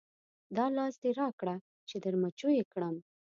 دا لاس دې راکړه چې در مچو یې کړم.